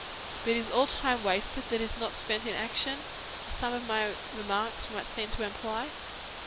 But is all time wasted that is not spent in action, as some of my remarks might seem to imply?